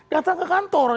datang ke kantor